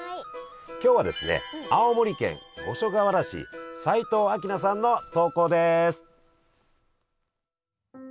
今日はですね青森県五所川原市斉藤明奈さんの投稿です。